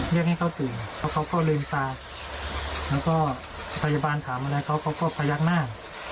เรียกให้เขาตื่นแล้วเขาก็ลืมตาแล้วก็พยาบาลถามอะไรเขาเขาก็พยักหน้า